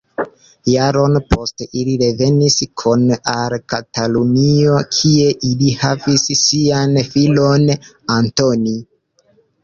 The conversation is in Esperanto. Jaron poste ili revenis kune al Katalunio, kie ili havis sian filon Antoni.